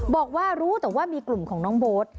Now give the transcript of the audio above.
บอกว่ารู้แต่ว่ามีกลุ่มของน้องโบ๊ท